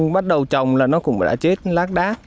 bắt đầu trồng là nó cũng đã chết lác đá